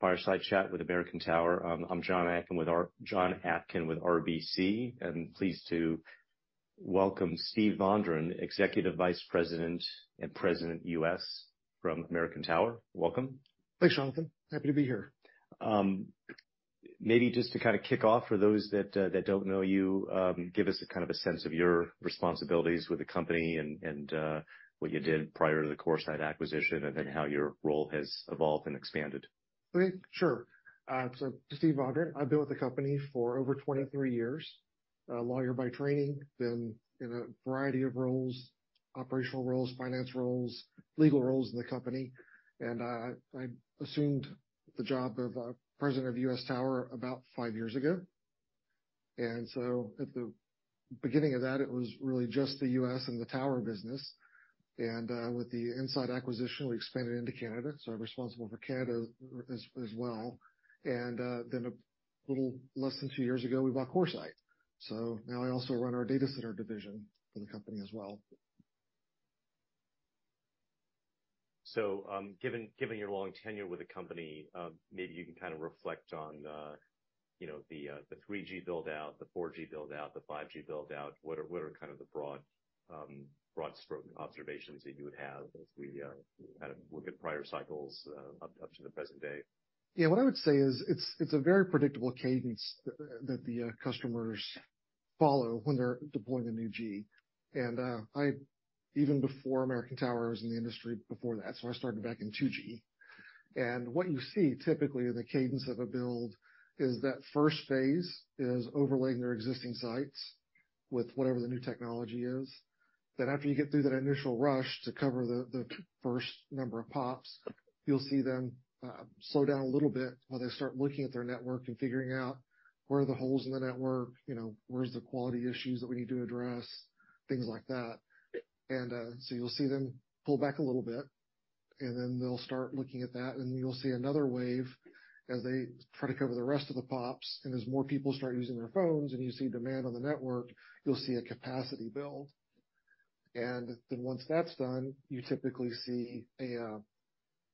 Fireside Chat with American Tower. I'm Jonathan Atkin with RBC, and pleased to welcome Steven Vondran, Executive Vice President and President, US, from American Tower. Welcome. Thanks, Jonathan. Happy to be here. Maybe just to kind of kick off for those that don't know you, give us a kind of a sense of your responsibilities with the company and what you did prior to the CoreSite acquisition, and then how your role has evolved and expanded. Okay, sure. So Steven Vondran, I've been with the company for over 23 years. A lawyer by training, been in a variety of roles, operational roles, finance roles, legal roles in the company, and I assumed the job of President of US Tower about 5 years ago. And so at the beginning of that, it was really just the US and the tower business, and with the InSite acquisition, we expanded into Canada, so responsible for Canada as well. And then a little less than 2 years ago, we bought CoreSite. So now I also run our data center division for the company as well. So, given your long tenure with the company, maybe you can kind of reflect on, you know, the 3G build-out, the 4G build-out, the 5G build-out. What are kind of the broad-stroke observations that you would have as we kind of look at prior cycles, up to the present day? Yeah, what I would say is, it's a very predictable cadence that the customers follow when they're deploying a new G. And even before American Tower, I was in the industry before that, so I started back in 2G. And what you see typically in the cadence of a build is that first phase is overlaying their existing sites with whatever the new technology is. Then, after you get through that initial rush to cover the first number of POPs, you'll see them slow down a little bit while they start looking at their network and figuring out where are the holes in the network, you know, where's the quality issues that we need to address, things like that. So you'll see them pull back a little bit, and then they'll start looking at that, and you'll see another wave as they try to cover the rest of the POPs. And as more people start using their phones and you see demand on the network, you'll see a capacity build. And then once that's done, you typically see an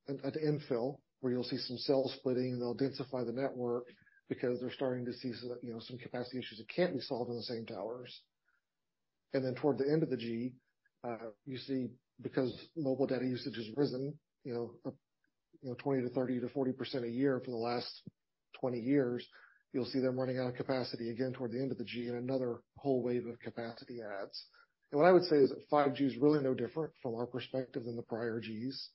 infill, where you'll see some cell splitting, they'll densify the network because they're starting to see some, you know, some capacity issues that can't be solved on the same towers. And then, towards the end of the G, you see, because mobile data usage has risen, you know, you know, 20% to 30% to 40% a year for the last 20 years, you'll see them running out of capacity again toward the end of the G, and another whole wave of capacity adds. And what I would say is that 5G is really no different from our perspective than the prior Gs.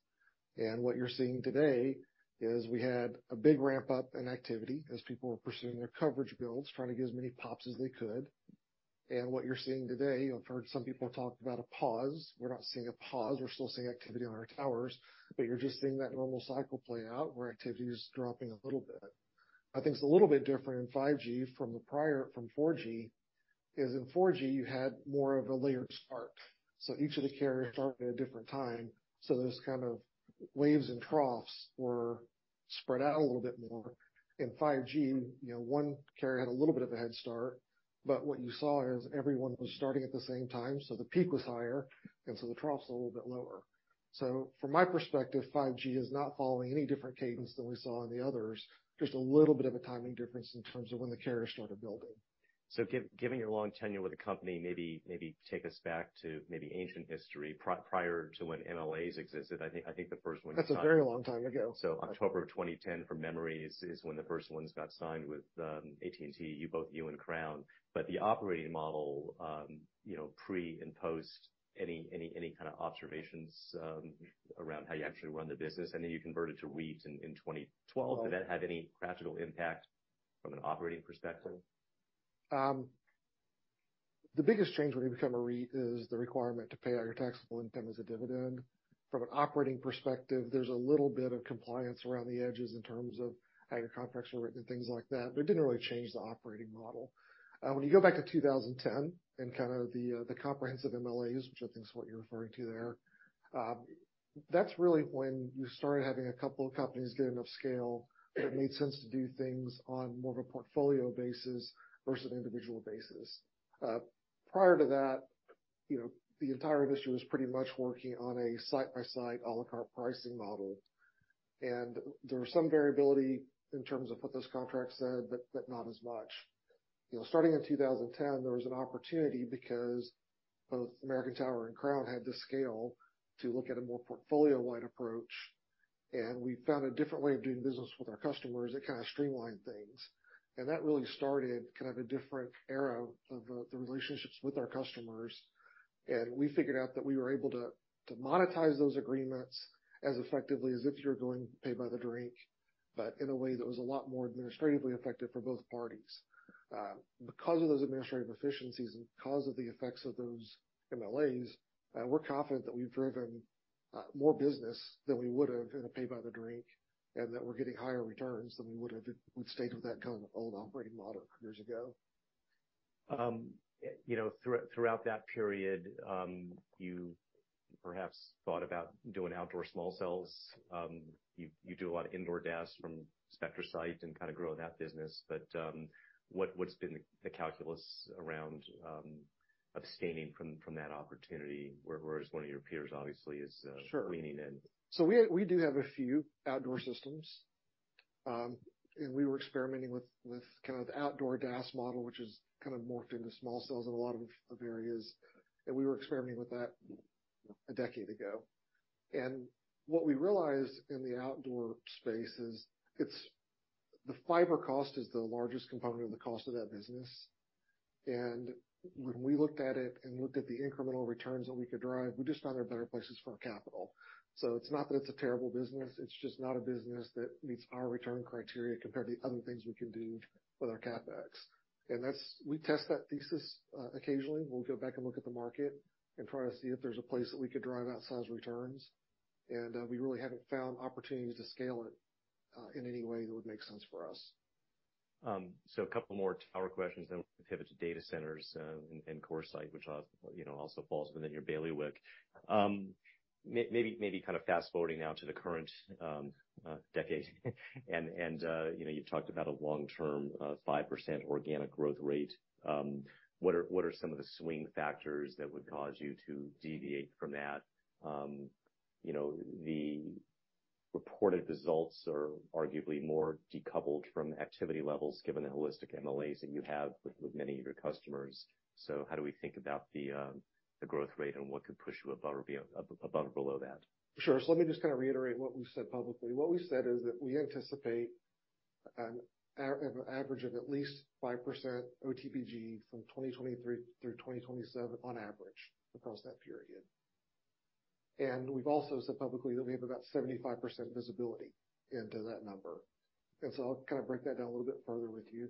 And what you're seeing today is we had a big ramp-up in activity as people were pursuing their coverage builds, trying to get as many POPs as they could. And what you're seeing today, I've heard some people talk about a pause. We're not seeing a pause. We're still seeing activity on our towers, but you're just seeing that normal cycle play out, where activity is dropping a little bit. I think it's a little bit different in 5G from the prior from 4G. In 4G, you had more of a layered start, so each of the carriers started at a different time, so those kind of waves and troughs were spread out a little bit more. In 5G, you know, one carrier had a little bit of a head start, but what you saw is everyone was starting at the same time, so the peak was higher, and so the trough's a little bit lower. So from my perspective, 5G is not following any different cadence than we saw in the others. Just a little bit of a timing difference in terms of when the carriers started building. So giving your long tenure with the company, maybe take us back to maybe ancient history, prior to when MLAs existed. I think the first one That's a very long time ago. So October of 2010, from memory, is, is when the first ones got signed with AT&T, you, both you and Crown. But the operating model, you know, pre- and post, any, any, any kind of observations around how you actually run the business, and then you converted to REITs in 2012. Did that have any practical impact from an operating perspective? The biggest change when you become a REIT is the requirement to pay out your taxable income as a dividend. From an operating perspective, there's a little bit of compliance around the edges in terms of how your contracts are written and things like that, but it didn't really change the operating model. When you go back to 2010 and kind of the comprehensive MLAs, which I think is what you're referring to there, that's really when you started having a couple of companies get enough scale that it made sense to do things on more of a portfolio basis versus an individual basis. Prior to that, you know, the entire industry was pretty much working on a site-by-site, à la carte pricing model, and there was some variability in terms of what those contracts said, but, but not as much. You know, starting in 2010, there was an opportunity because both American Tower and Crown had the scale to look at a more portfolio-wide approach, and we found a different way of doing business with our customers that kind of streamlined things. That really started kind of a different era of the relationships with our customers, and we figured out that we were able to to monetize those agreements as effectively as if you were going pay by the drink, but in a way that was a lot more administratively effective for both parties. Because of those administrative efficiencies and because of the effects of those MLAs, we're confident that we've driven more business than we would've in a pay by the drink, and that we're getting higher returns than we would have if we'd stayed with that kind of old operating model years ago. You know, throughout that period, you perhaps thought about doing outdoor small cells. You do a lot of indoor DAS from SpectraSite and kind of growing that business, but what's been the calculus around abstaining from that opportunity, whereas one of your peers obviously is Sure. leaning in? So we do have a few outdoor systems... and we were experimenting with kind of the outdoor DAS model, which has kind of morphed into small cells in a lot of areas, and we were experimenting with that a decade ago. And what we realized in the outdoor space is it's the fiber cost is the largest component of the cost of that business. And when we looked at it and looked at the incremental returns that we could drive, we just found there are better places for our capital. So it's not that it's a terrible business, it's just not a business that meets our return criteria compared to other things we can do with our CapEx. And that's we test that thesis occasionally. We'll go back and look at the market and try to see if there's a place that we could drive outsized returns, and we really haven't found opportunities to scale it in any way that would make sense for us. So a couple more tower questions, then we'll pivot to data centers and CoreSite, which, you know, also falls within your bailiwick. Maybe kind of fast-forwarding now to the current decade, and you know, you've talked about a long-term 5% organic growth rate. What are some of the swing factors that would cause you to deviate from that? You know, the reported results are arguably more decoupled from activity levels, given the holistic MLAs that you have with many of your customers. So how do we think about the growth rate and what could push you above or below that? Sure. So let me just kind of reiterate what we've said publicly. What we said is that we anticipate an average of at least 5% OTBG from 2023 through 2027 on average across that period. And we've also said publicly that we have about 75% visibility into that number. And so I'll kind of break that down a little bit further with you.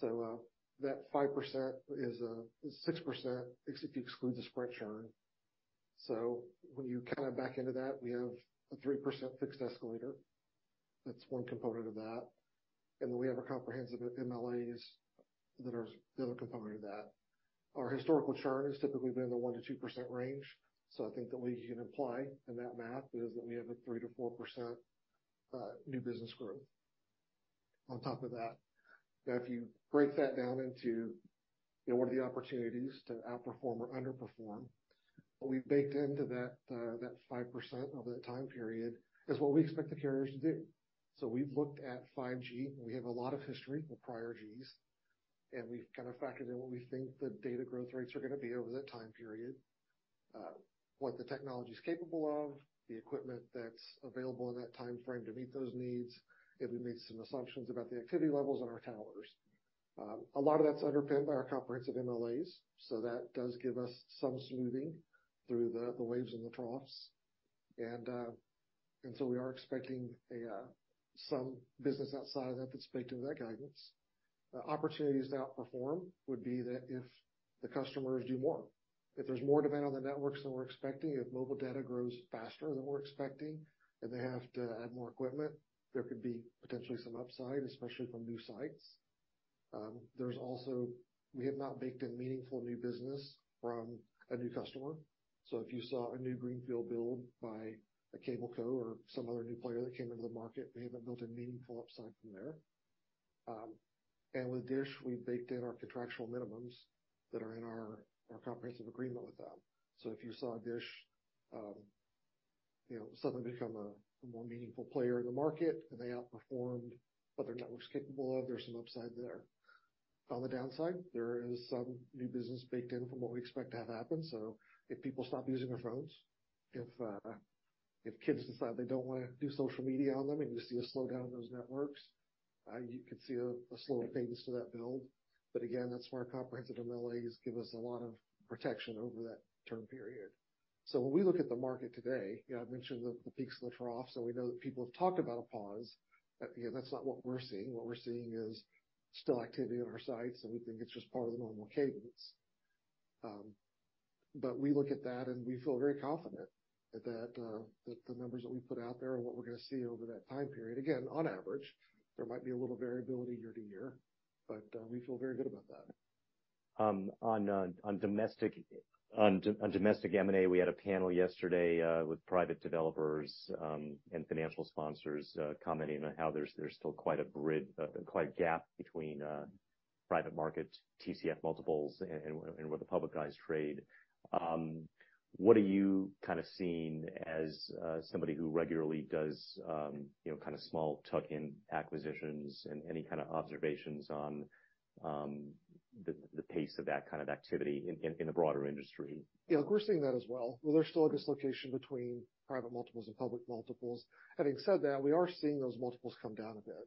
So, that 5% is 6%, if you exclude the spread churn. So when you kind of back into that, we have a 3% fixed escalator. That's one component of that, and then we have our comprehensive MLAs that are the other component of that. Our historical churn has typically been in the 1%-2% range, so I think that we can imply in that math is that we have a 3%-4% new business growth on top of that. Now, if you break that down into, you know, what are the opportunities to outperform or underperform, what we've baked into that, that 5% over that time period is what we expect the carriers to do. So we've looked at 5G. We have a lot of history with prior Gs, and we've kind of factored in what we think the data growth rates are going to be over that time period, what the technology is capable of, the equipment that's available in that timeframe to meet those needs, and we made some assumptions about the activity levels on our towers. A lot of that's underpinned by our comprehensive MLAs, so that does give us some smoothing through the, the waves and the troughs. And, and so we are expecting a, some business outside of that that's baked into that guidance. Opportunities to outperform would be that if the customers do more, if there's more demand on the networks than we're expecting, if mobile data grows faster than we're expecting, and they have to add more equipment, there could be potentially some upside, especially from new sites. There's also, we have not baked in meaningful new business from a new customer. So if you saw a new greenfield build by a cable co or some other new player that came into the market, we haven't built in meaningful upside from there. And with DISH, we've baked in our contractual minimums that are in our comprehensive agreement with them. So if you saw DISH, you know, suddenly become a more meaningful player in the market, and they outperformed what their network's capable of, there's some upside there. On the downside, there is some new business baked in from what we expect to have happen. So if people stop using their phones, if kids decide they don't want to do social media on them, and you see a slowdown in those networks, you could see a slower pace to that build. But again, that's where our comprehensive MLAs give us a lot of protection over that term period. So when we look at the market today, you know, I've mentioned the peaks and the troughs, and we know that people have talked about a pause, but, you know, that's not what we're seeing. What we're seeing is still activity on our sites, and we think it's just part of the normal cadence. But we look at that, and we feel very confident that that the numbers that we put out there are what we're going to see over that time period. Again, on average, there might be a little variability year to year, but we feel very good about that. On domestic, on domestic M&A, we had a panel yesterday, with private developers, and financial sponsors, commenting on how there's still quite a gap between, private market TCF multiples and, what the public guys trade. What are you kind of seeing as, somebody who regularly does, you know, kind of small tuck-in acquisitions, and any kind of observations on, the pace of that kind of activity in, the broader industry? Yeah, we're seeing that as well, where there's still a dislocation between private multiples and public multiples. Having said that, we are seeing those multiples come down a bit.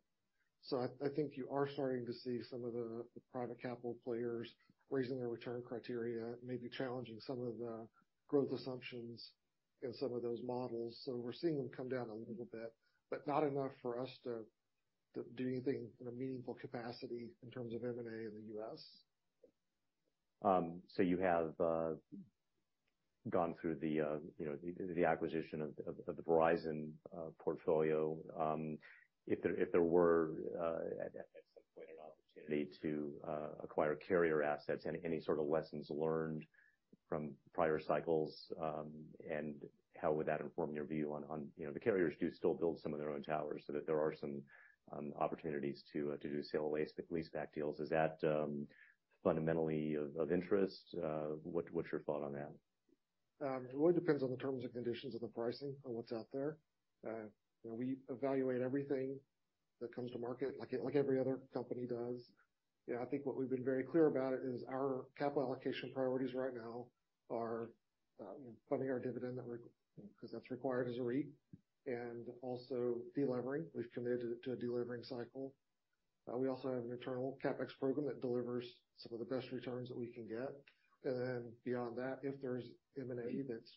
So I think you are starting to see some of the private capital players raising their return criteria, maybe challenging some of the growth assumptions in some of those models. So we're seeing them come down a little bit, but not enough for us to do anything in a meaningful capacity in terms of M&A in the US. So you have gone through the acquisition of the Verizon portfolio. If there were at some point an opportunity to acquire carrier assets, any sort of lessons learned from prior cycles? And how would that inform your view on... You know, the carriers do still build some of their own towers, so there are some opportunities to do sale-leaseback deals. Is that fundamentally of interest? What’s your thought on that? It really depends on the terms and conditions of the pricing of what's out there. You know, we evaluate everything that comes to market, like every other company does. Yeah, I think what we've been very clear about is our capital allocation priorities right now are funding our dividend 'cause that's required as a REIT, and also delevering. We've committed to a delevering cycle. We also have an internal CapEx program that delivers some of the best returns that we can get. And then beyond that, if there's M&A that's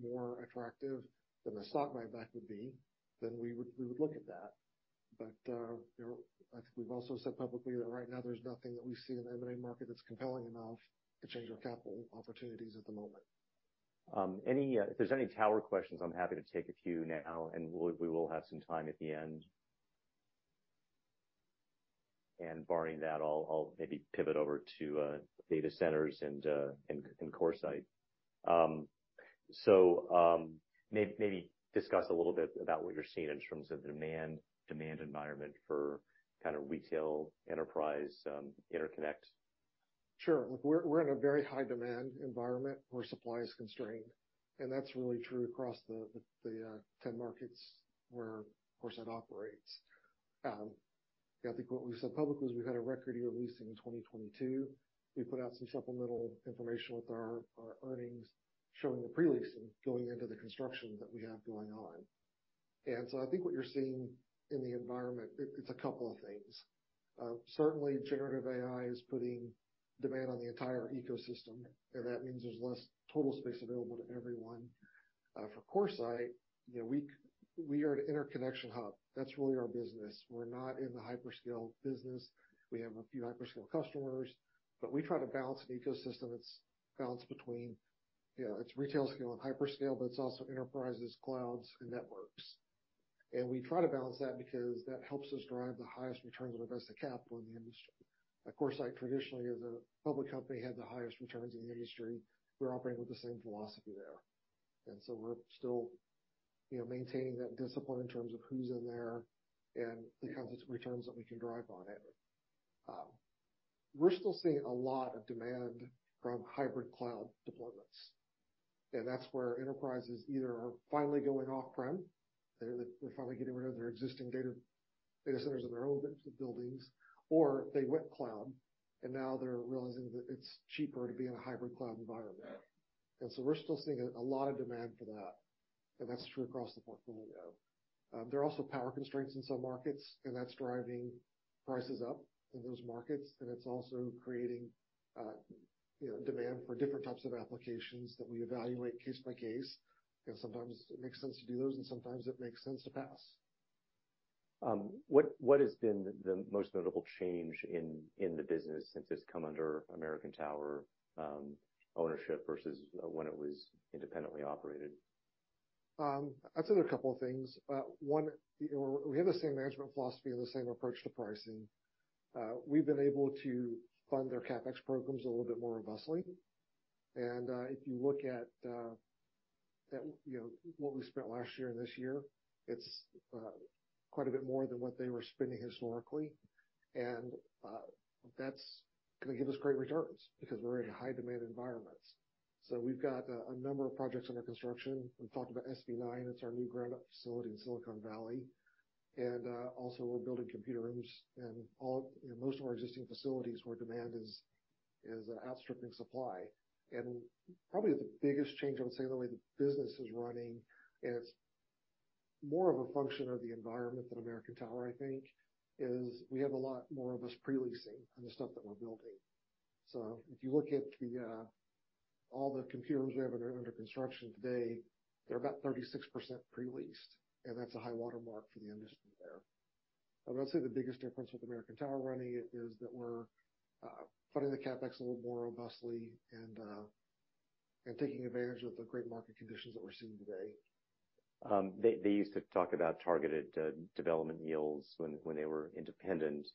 more attractive than the stock buyback would be, then we would look at that. But, you know, I think we've also said publicly that right now there's nothing that we see in the M&A market that's compelling enough to change our capital opportunities at the moment. If there's any tower questions, I'm happy to take a few now, and we'll have some time at the end. Barring that, I'll maybe pivot over to data centers and CoreSite. So, maybe discuss a little bit about what you're seeing in terms of the demand environment for kind of retail enterprise interconnect. Sure. Look, we're in a very high demand environment where supply is constrained, and that's really true across the 10 markets where CoreSite operates. I think what we said publicly is we had a record year leasing in 2022. We put out some supplemental information with our earnings, showing the pre-leasing going into the construction that we have going on. And so I think what you're seeing in the environment, it's a couple of things. Certainly, generative AI is putting demand on the entire ecosystem, and that means there's less total space available to everyone. For CoreSite, you know, we are an interconnection hub. That's really our business. We're not in the hyperscale business. We have a few hyperscale customers, but we try to balance an ecosystem that's balanced between, you know, it's retail scale and hyperscale, but it's also enterprises, clouds, and networks. And we try to balance that because that helps us drive the highest returns on invested capital in the industry. CoreSite, traditionally, as a public company, had the highest returns in the industry. We're operating with the same philosophy there, and so we're still, you know, maintaining that discipline in terms of who's in there and the kinds of returns that we can drive on it. We're still seeing a lot of demand from hybrid cloud deployments, and that's where enterprises either are finally going off-prem. They're finally getting rid of their existing data centers in their own buildings, or they went cloud, and now they're realizing that it's cheaper to be in a hybrid cloud environment. And so we're still seeing a lot of demand for that, and that's true across the portfolio. There are also power constraints in some markets, and that's driving prices up in those markets, and it's also creating you know, demand for different types of applications that we evaluate case by case. And sometimes it makes sense to do those, and sometimes it makes sense to pass. What has been the most notable change in the business since it's come under American Tower ownership versus when it was independently operated? I'd say a couple of things. One, you know, we have the same management philosophy and the same approach to pricing. We've been able to fund their CapEx programs a little bit more robustly. And, if you look at that, you know, what we spent last year and this year, it's quite a bit more than what they were spending historically. And, that's gonna give us great returns because we're in high-demand environments. So we've got a number of projects under construction. We've talked about SV9, it's our new ground-up facility in Silicon Valley. And also, we're building computer rooms and all in most of our existing facilities where demand is outstripping supply. Probably the biggest change, I would say, in the way the business is running, and it's more of a function of the environment than American Tower, I think, is we have a lot more of us pre-leasing on the stuff that we're building. So if you look at all the data centers we have that are under construction today, they're about 36% pre-leased, and that's a high-water mark for the industry there. But I'd say the biggest difference with American Tower running it is that we're funding the CapEx a little more robustly and taking advantage of the great market conditions that we're seeing today. They, they used to talk about targeted development yields when, when they were independent.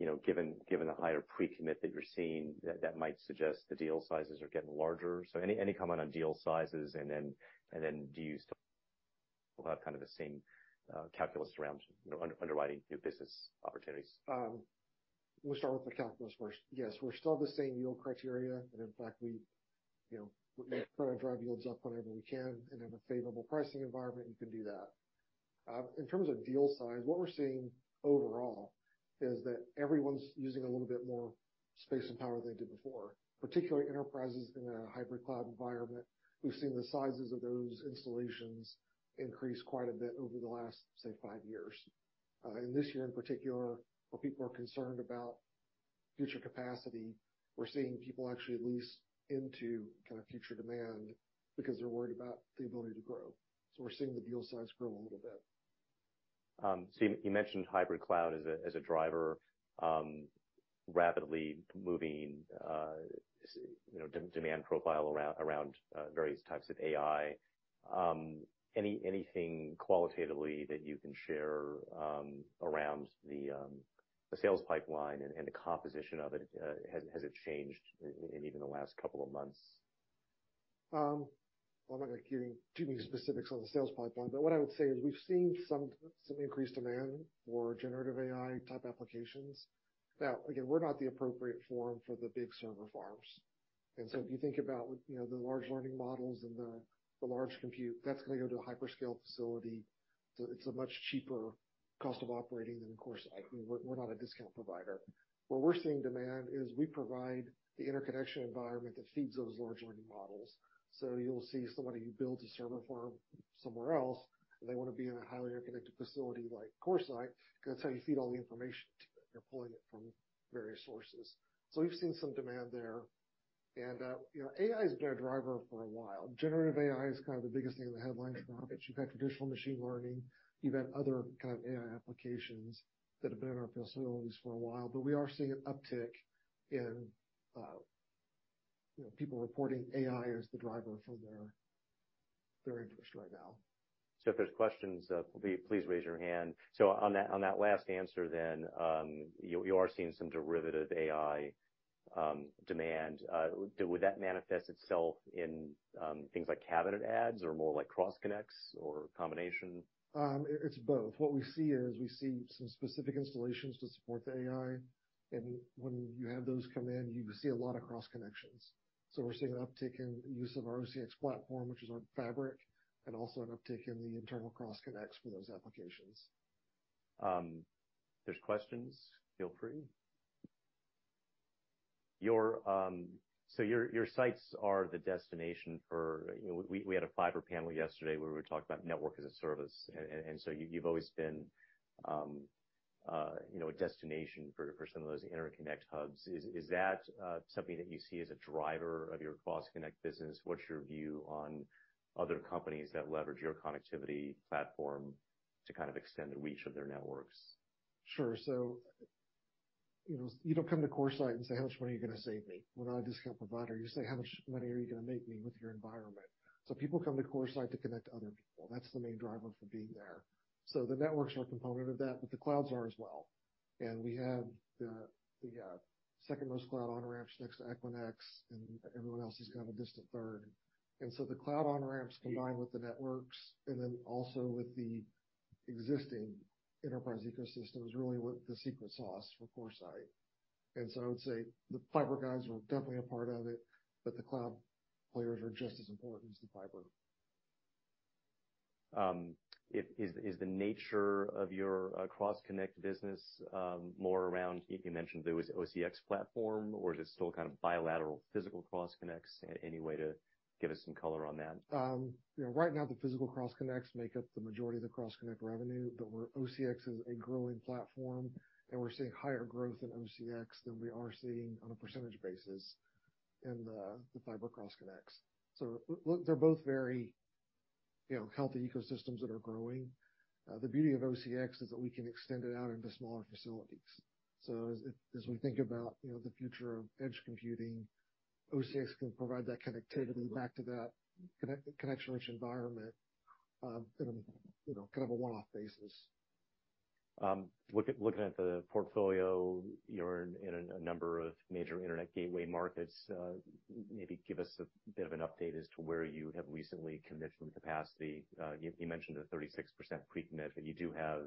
You know, given, given the higher pre-commit that you're seeing, that, that might suggest the deal sizes are getting larger. So any, any comment on deal sizes, and then, and then do you still have kind of the same calculus around underwriting new business opportunities? We'll start with the calculus first. Yes, we're still the same yield criteria, and in fact, we, you know, we try to drive yields up whenever we can. In a favorable pricing environment, you can do that. In terms of deal size, what we're seeing overall is that everyone's using a little bit more space and power than they did before, particularly enterprises in a hybrid cloud environment. We've seen the sizes of those installations increase quite a bit over the last, say, five years. This year in particular, where people are concerned about future capacity, we're seeing people actually lease into kind of future demand because they're worried about the ability to grow. We're seeing the deal size grow a little bit. So you, you mentioned hybrid cloud as a, as a driver, rapidly moving, you know, demand profile around, around, various types of AI. Anything qualitatively that you can share, around the, the sales pipeline and, and the composition of it? Has it changed in even the last couple of months? .Well, I'm not gonna give you too many specifics on the sales pipeline, but what I would say is we've seen some increased demand for generative AI-type applications. Now, again, we're not the appropriate forum for the big server farms. And so if you think about, you know, the large learning models and the large compute, that's gonna go to a hyperscale facility. So it's a much cheaper cost of operating than, of course, we're not a discount provider. Where we're seeing demand is we provide the interconnection environment that feeds those large learning models. So you'll see somebody who builds a server farm somewhere else, and they wanna be in a highly interconnected facility like CoreSite, because that's how you feed all the information to it. You're pulling it from various sources. So we've seen some demand there. You know, AI has been a driver for a while. Generative AI is kind of the biggest thing in the headlines now. But you've had traditional machine learning, you've had other kind of AI applications that have been in our facilities for a while, but we are seeing an uptick in, you know, people reporting AI as the driver for their interest right now. So if there's questions, please raise your hand. So on that last answer then, you are seeing some generative AI demand. Would that manifest itself in things like cabinet adds, or more like cross-connects, or a combination? It's both. What we see is, we see some specific installations to support the AI, and when you have those come in, you see a lot of cross connections. So we're seeing an uptick in use of our OCX platform, which is our fabric, and also an uptick in the internal cross connects for those applications. There's questions, feel free. Your sites are the destination for, you know... We had a fiber panel yesterday, where we talked about network as a service. So you, you've always been, you know, a destination for some of those interconnect hubs. Is that something that you see as a driver of your cross-connect business? What's your view on other companies that leverage your connectivity platform to kind of extend the reach of their networks? Sure. So, you know, you don't come to CoreSite and say: How much money are you gonna save me? We're not a discount provider. You say: How much money are you gonna make me with your environment? So people come to CoreSite to connect to other people. That's the main driver for being there. So the networks are a component of that, but the clouds are as well. And we have the second most cloud on-ramps next to Equinix, and everyone else is kind of a distant third. And so the cloud on-ramps combined with the networks, and then also with the existing enterprise ecosystem, is really what the secret sauce for CoreSite. And so I would say the fiber guys are definitely a part of it, but the cloud players are just as important as the fiber. Is the nature of your cross-connect business more around, you mentioned the OCX platform, or is it still kind of bilateral physical cross-connects? Any way to give us some color on that? You know, right now, the physical cross-connects make up the majority of the cross-connect revenue, but OCX is a growing platform, and we're seeing higher growth in OCX than we are seeing on a percentage basis in the fiber cross-connects. So look, they're both very, you know, healthy ecosystems that are growing. The beauty of OCX is that we can extend it out into smaller facilities. So as we think about, you know, the future of edge computing, OCX can provide that connectivity back to that connection-rich environment, in a, you know, kind of a one-off basis. Looking at the portfolio, you're in a number of major internet gateway markets. Maybe give us a bit of an update as to where you have recently commissioned capacity. You mentioned a 36% pre-commit, but you do have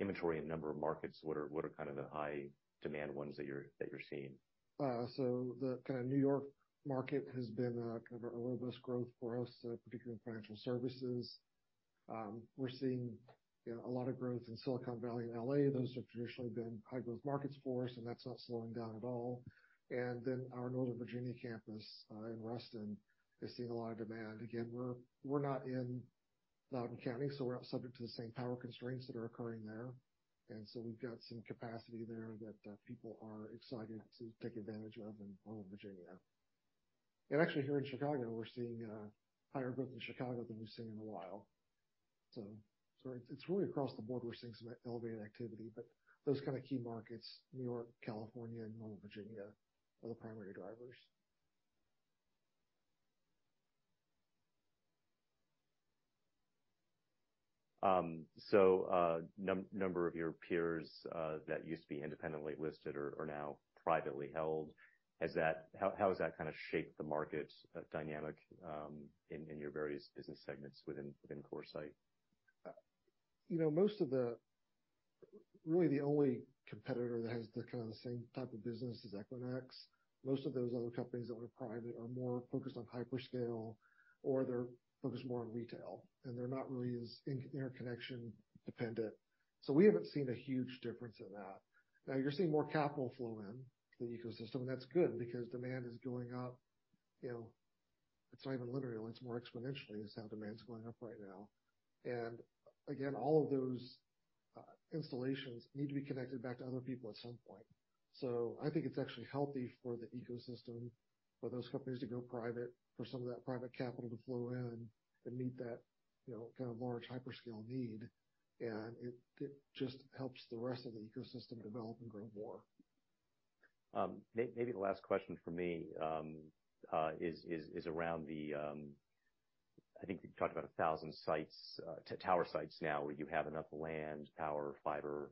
inventory in a number of markets. What are kind of the high-demand ones that you're seeing? So the kinda New York market has been kind of a robust growth for us, particularly in financial services. We're seeing, you know, a lot of growth in Silicon Valley and L.A. Those have traditionally been high-growth markets for us, and that's not slowing down at all. And then our Northern Virginia campus in Reston is seeing a lot of demand. Again, we're not in Loudoun County, so we're not subject to the same power constraints that are occurring there. And so we've got some capacity there that people are excited to take advantage of in Northern Virginia. And actually, here in Chicago, we're seeing higher growth in Chicago than we've seen in a while. So it's really across the board, we're seeing some elevated activity, but those kind of key markets, New York, California, and Northern Virginia, are the primary drivers. So, number of your peers that used to be independently listed are now privately held. Has that? How has that kinda shaped the market dynamic in your various business segments within CoreSite? You know, most of the... Really, the only competitor that has the kinda same type of business is Equinix. Most of those other companies that went private are more focused on hyperscale, or they're focused more on retail, and they're not really as interconnection dependent. So we haven't seen a huge difference in that. Now, you're seeing more capital flow in the ecosystem, and that's good because demand is going up. You know, it's not even linearly, it's more exponentially, is how demand's going up right now. And again, all of those installations need to be connected back to other people at some point. So I think it's actually healthy for the ecosystem, for those companies to go private, for some of that private capital to flow in and meet that, you know, kind of large hyperscale need. It just helps the rest of the ecosystem develop and grow more. Maybe the last question from me is around the, I think you talked about 1,000 sites to tower sites now, where you have enough land, power, fiber,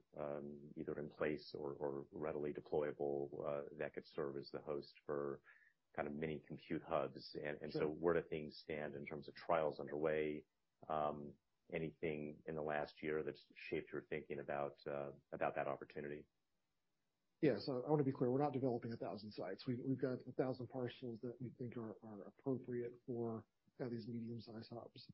either in place or readily deployable, that could serve as the host for kind of mini compute hubs? Sure. So where do things stand in terms of trials underway? Anything in the last year that's shaped your thinking about that opportunity? Yeah. So I want to be clear, we're not developing 1,000 sites. We've got 1,000 parcels that we think are appropriate for, kind of, these medium-sized hubs.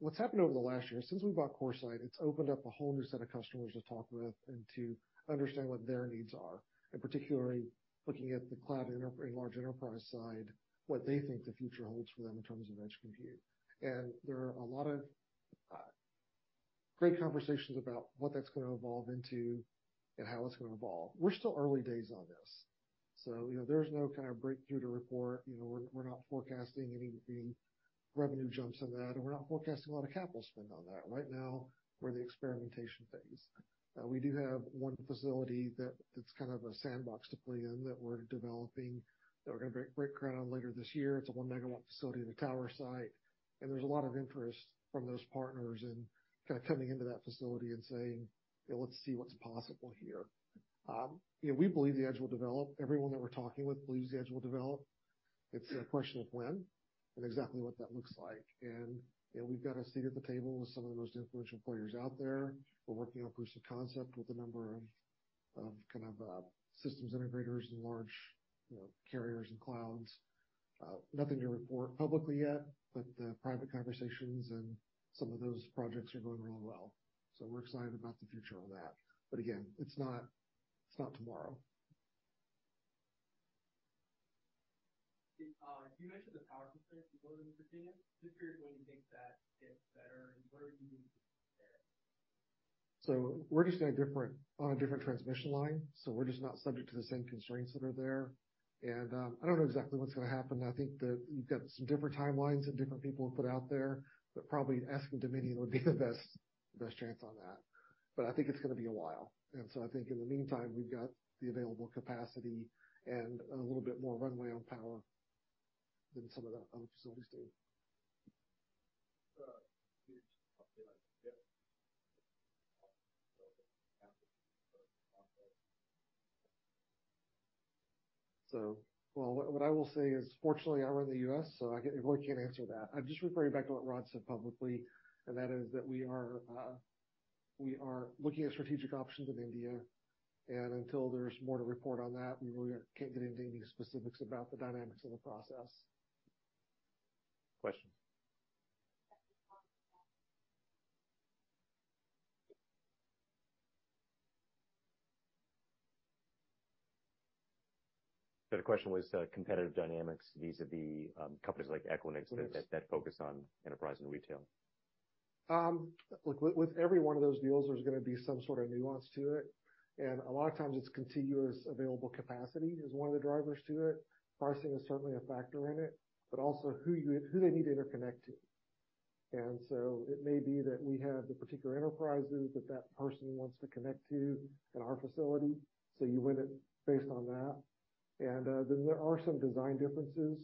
What's happened over the last year, since we bought CoreSite, it's opened up a whole new set of customers to talk with and to understand what their needs are, and particularly looking at the cloud enterprise and large enterprise side, what they think the future holds for them in terms of edge compute. And there are a lot of great conversations about what that's gonna evolve into and how it's gonna evolve. We're still early days on this, so, you know, there's no kind of breakthrough to report. You know, we're not forecasting any revenue jumps on that, and we're not forecasting a lot of capital spend on that. Right now, we're in the experimentation phase. We do have one facility that's kind of a sandbox to play in, that we're developing, that we're gonna break ground later this year. It's a one-megawatt facility in a tower site, and there's a lot of interest from those partners and kind of coming into that facility and saying, "Let's see what's possible here." You know, we believe the edge will develop. Everyone that we're talking with believes the edge will develop. It's a question of when and exactly what that looks like. And, you know, we've got a seat at the table with some of the most influential players out there. We're working on proof of concept with a number of kind of systems integrators and large, you know, carriers and clouds. Nothing to report publicly yet, but the private conversations and some of those projects are going really well. So we're excited about the future on that. But again, it's not, it's not tomorrow. You mentioned the power constraints before in Virginia. Just curious, when you think that gets better, and what are you doing to prepare? So we're just in a different, on a different transmission line, so we're just not subject to the same constraints that are there. And, I don't know exactly what's gonna happen. I think that you've got some different timelines that different people have put out there, but probably asking Dominion would be the best, best chance on that. But I think it's gonna be a while, and so I think in the meantime, we've got the available capacity and a little bit more runway on power than some of the other facilities do. Can you just update us on the update on the capacity for the process? So, well, what I will say is, fortunately, I run the US, so I really can't answer that. I'd just refer you back to what Rod said publicly, and that is that we are looking at strategic options in India, and until there's more to report on that, we really can't get into any specifics about the dynamics of the process. Question. So the question was, competitive dynamics vis-à-vis, companies like Equinix- Yes. that focus on enterprise and retail. Look, with every one of those deals, there's gonna be some sort of nuance to it, and a lot of times, it's contiguous available capacity is one of the drivers to it. Pricing is certainly a factor in it, but also who they need to interconnect to. And so it may be that we have the particular enterprises that that person wants to connect to in our facility, so you win it based on that. And then there are some design differences.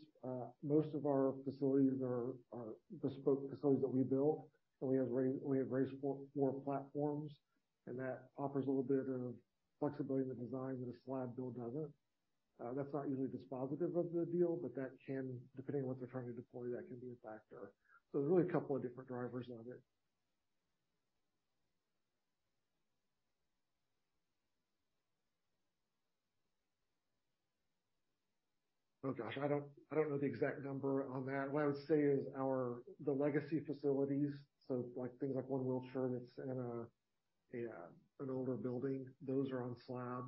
Most of our facilities are bespoke facilities that we build, and we have raised floor platforms, and that offers a little bit of flexibility in the design that a slab build doesn't. That's not usually dispositive of the deal, but that can... Depending on what they're trying to deploy, that can be a factor. So there's really a couple of different drivers of it. Oh, gosh, I don't, I don't know the exact number on that. What I would say is our the legacy facilities, so like things like One Wilshire, that's in a, a, an older building, those are on slab.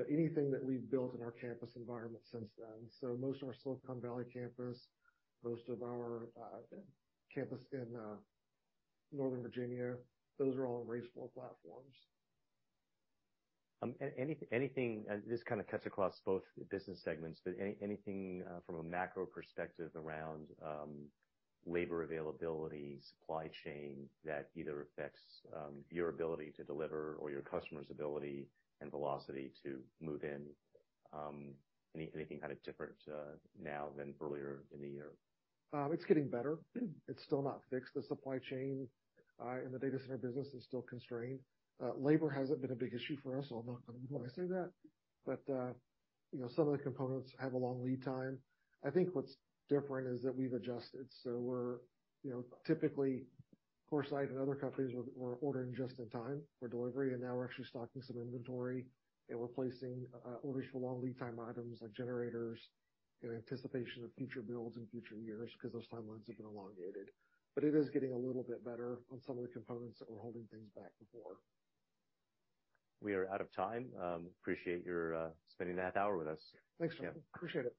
But anything that we've built in our campus environment since then, so most of our Silicon Valley campus, most of our campus in Northern Virginia, those are all on raised floor platforms. Anything, and this kind of cuts across both business segments, but anything from a macro perspective around labor availability, supply chain, that either affects your ability to deliver or your customer's ability and velocity to move in? Anything kind of different now than earlier in the year? It's getting better. It's still not fixed. The supply chain in the data center business is still constrained. Labor hasn't been a big issue for us, although I'm glad I say that, but, you know, some of the components have a long lead time. I think what's different is that we've adjusted, so we're, you know, typically, CoreSite and other companies were ordering just in time for delivery, and now we're actually stocking some inventory, and we're placing orders for long lead time items like generators, in anticipation of future builds in future years, because those timelines have been elongated. But it is getting a little bit better on some of the components that were holding things back before. We are out of time. Appreciate your spending a half hour with us. Thanks, Jon. Appreciate it.